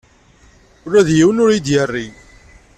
Ula d yiwen ur iyi-d-yeɣri.